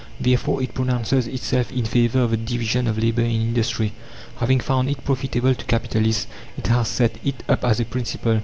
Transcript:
Therefore, it pronounces itself in favour of the division of labour in industry. Having found it profitable to capitalists, it has set it up as a principle.